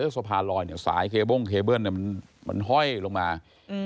สะพานลอยเนี่ยสายเมืองมันห้อยลงมาอืม